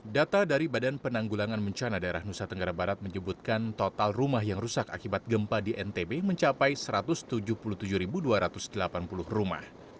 data dari badan penanggulangan bencana daerah nusa tenggara barat menyebutkan total rumah yang rusak akibat gempa di ntb mencapai satu ratus tujuh puluh tujuh dua ratus delapan puluh rumah